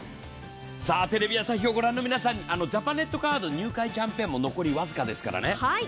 さあテレビ朝日をご覧の皆さんにジャパネットカード入会キャンペーンも残りわずかですからね。